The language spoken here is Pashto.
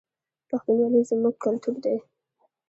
پښتونولي زموږ کلتور دی